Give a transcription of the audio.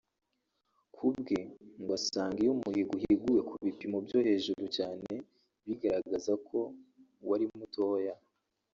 Ku bwe ngo asanga iyo umuhigo uhiguwe ku bipimo byo hejuru cyane bigaragaza ko wari mutoya